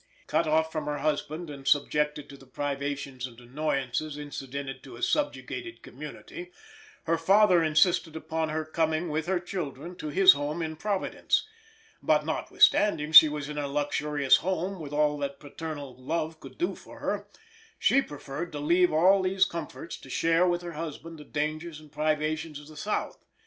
Cut off from her husband and subjected to the privations and annoyances incident to a subjugated community, her father insisted upon her coming with her children to his home in Providence; but, notwithstanding she was in a luxurious home, with all that paternal love could do for her, she preferred to leave all these comforts to share with her husband the dangers and privations of the South.